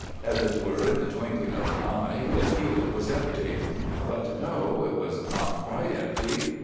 As it were in the twinkling of an eye, the field was empty. "But no! It was not quite empty!